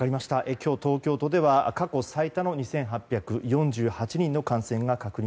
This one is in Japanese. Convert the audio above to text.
今日、東京都では過去最多の２８４８人の感染が確認。